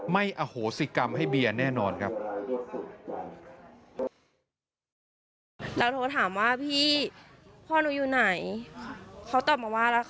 อโหสิกรรมให้เบียร์แน่นอนครับ